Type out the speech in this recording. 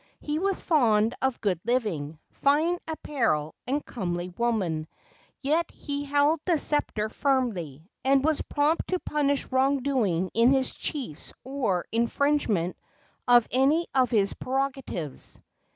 He was fond of good living, fine apparel and comely women; yet he held the sceptre firmly, and was prompt to punish wrong doing in his chiefs or infringement of any of his prerogatives.